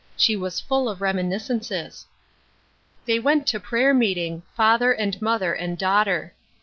She was full of reminiscences. They went to prayer meeting —" father and mother and daughter."